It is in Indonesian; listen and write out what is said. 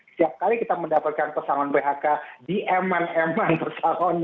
setiap kali kita mendapatkan pesangon phk dieman eman pesangonnya